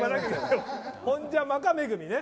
ホンジャマカ恵ね。